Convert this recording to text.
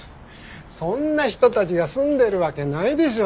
そんな人たちが住んでるわけないでしょ。